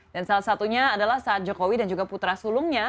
dan salah satunya adalah saat jokowi dan juga putra sulungnya